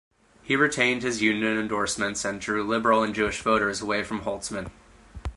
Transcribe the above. He retained his union endorsements and drew liberal and Jewish voters away from Holtzman.